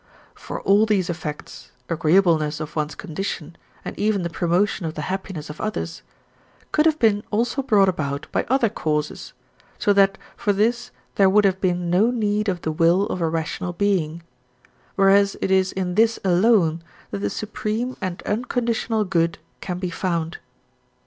For all these effects agreeableness of one's condition and even the promotion of the happiness of others could have been also brought about by other causes, so that for this there would have been no need of the will of a rational being; whereas it is in this alone that the supreme and unconditional good can be found.